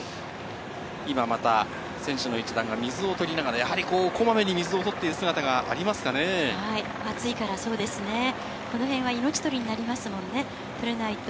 今、また選手の一団が水をとりながら、やはりこまめに水を取って暑いから、そうですね、このへんは命取りになりますもんね、取れないと。